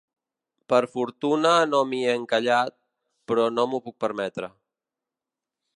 Per fortuna no m'hi he encallat, però no m'ho puc permetre.